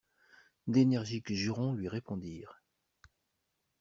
D'énergiques jurons lui répondirent.